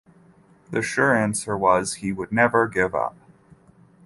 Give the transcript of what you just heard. The sure answer was he would never give up.